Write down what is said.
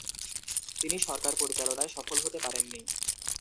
তিনি সরকার পরিচালনায় সফল হতে পারেননি।